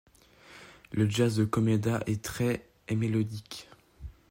Le jazz de Komeda est très et mélodique.